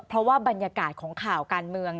เพราะว่าบรรยากาศของข่าวการเมือง